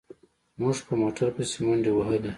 موږ په موټر پسې منډې وهلې.